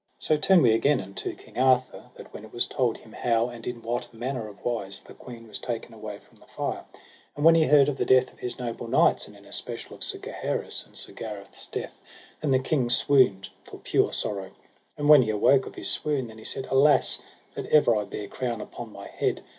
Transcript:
So turn we again unto King Arthur, that when it was told him how and in what manner of wise the queen was taken away from the fire, and when he heard of the death of his noble knights, and in especial of Sir Gaheris and Sir Gareth's death, then the king swooned for pure sorrow. And when he awoke of his swoon, then he said: Alas, that ever I bare crown upon my head!